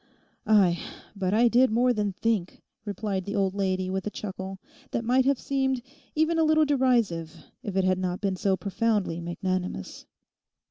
'Ay, but I did more than think,' replied the old lady with a chuckle that might have seemed even a little derisive if it had not been so profoundly magnanimous.